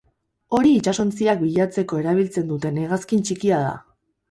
Hori itsasontziak bilatzeko erabiltzen duten hegazkin txikia da.